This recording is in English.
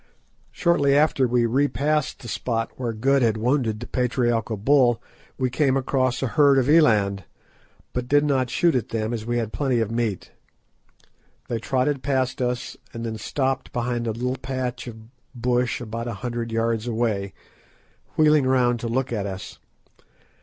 Shortly after we re passed the spot where Good had wounded the patriarchal bull we came across a herd of eland, but did not shoot at them, as we had plenty of meat. They trotted past us, and then stopped behind a little patch of bush about a hundred yards away, wheeling round to look at us.